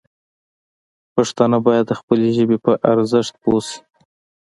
پښتانه باید د خپلې ژبې پر ارزښت پوه شي.